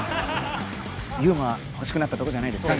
ユーモア欲しくなったとこじゃないですか？